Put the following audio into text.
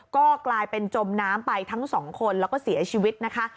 ก็กลายเป็นจมน้ำไปทั้งสองคนแล้วก็เสียชีวิตนะคะ